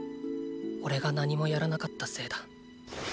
おれが何もやらなかったせいだ。